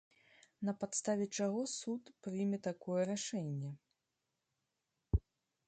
На падставе чаго суд прыме такое рашэнне?